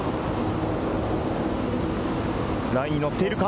ラインに乗っているか？